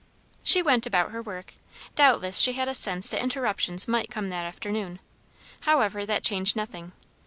She went about her work. Doubtless she had a sense that interruptions might come that afternoon; however, that changed nothing.